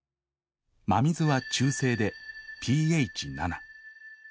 真水は中性でｐＨ７．０。